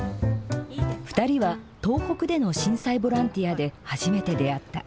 ２人は東北での震災ボランティアで初めて出会った。